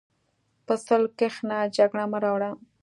په صلح کښېنه، جګړه مه راوړه.